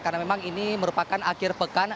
karena memang ini merupakan akhir pekan